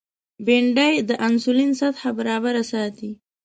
بېنډۍ د انسولین سطحه برابره ساتي